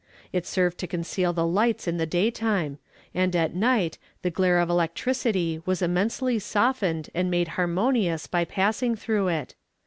It served to conceal the lights in the daytime, and at night the glare of electricity was immensely softened and made harmonious by passing through it.